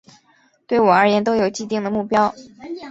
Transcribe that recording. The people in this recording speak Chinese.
对我而言都有既定的目标